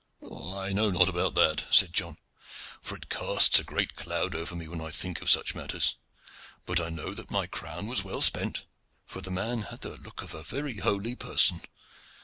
"I know not about that," said John, "for it casts a great cloud over me when I think of such matters. But I know that my crown was well spent, for the man had the look of a very holy person.